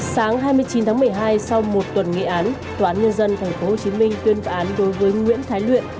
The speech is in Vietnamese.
sáng hai mươi chín tháng một mươi hai sau một tuần nghị án tòa án nhân dân tp hcm tuyên án đối với nguyễn thái luyện